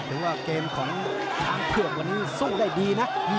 หรือว่าเกมของช้างเผือกวันนี้สู้ได้ดีนะ